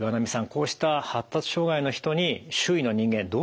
こうした発達障害の人に周囲の人間どう接したらいいんでしょう。